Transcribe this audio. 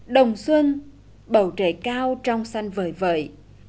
đồng xuân bầu trời cao trong xanh vời vời